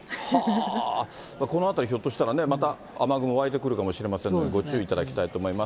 この辺り、ひょっとしたらね、また雨雲、湧いてくるかもしれませんので、ご注意いただきたいと思います。